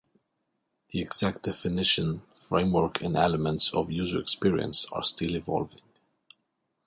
The exact definition, framework, and elements of user experience are still evolving.